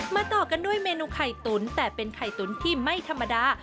ต่อกันด้วยเมนูไข่ตุ๋นแต่เป็นไข่ตุ๋นที่ไม่ธรรมดา